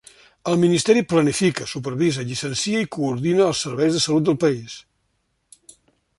El ministeri planifica, supervisa, llicencia i coordina els serveis de salut del país.